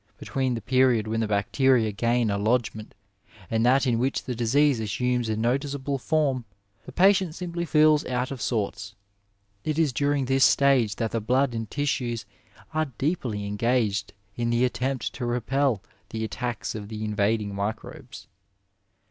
Between the period when the bacteria gain a lodgment and that in which the disease assumes a notice able form, the patient simply feels out of sorts. It is during this stage that the blood and tissues are deeply engaged in the attempt to repel the attacks of the invading microbes.